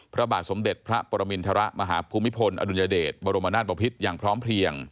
พระบาทสมเด็จพระปรมินทรมาฮภูมิพลอดุลยเดชบรมนาศบพิษอย่างพร้อมเพลียง